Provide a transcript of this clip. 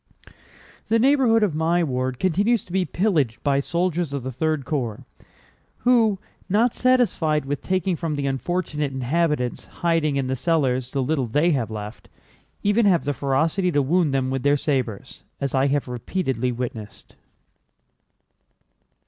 "The neighborhood of my ward continues to be pillaged by soldiers of the 3rd Corps who, not satisfied with taking from the unfortunate inhabitants hiding in the cellars the little they have left, even have the ferocity to wound them with their sabers, as I have repeatedly witnessed."